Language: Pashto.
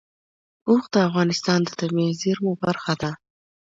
اوښ د افغانستان د طبیعي زیرمو برخه ده.